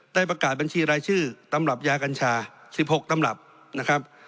ประกาศบัญชีรายชื่อตำรับยากัญชา๑๖ตำรับนะครับ